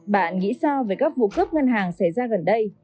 bạn nghĩ sao về các vụ cướp ngân hàng xảy ra gần đây